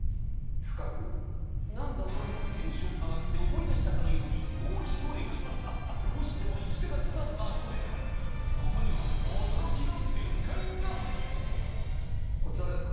テンション上がって思い出したかのようにもうひと駅どうしても行きたかった場所へそこにはこちらですか？